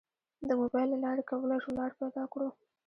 د موبایل له لارې کولی شو لار پیدا کړو.